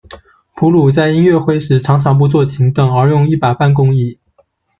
鲁普在音乐会时常常不坐琴凳，而用一把办公椅。